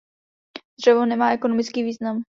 Dřevo nemá ekonomický význam.